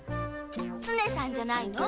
常さんじゃないの！